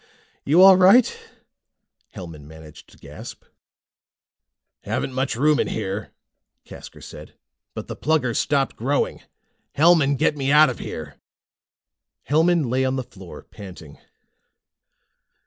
"You all right?" Hellman managed to gasp. "Haven't much room in here," Casker said, "but the Plugger's stopped growing. Hellman, get me out of here!" Hellman lay on the floor panting.